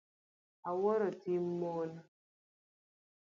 Awuoro tim mon.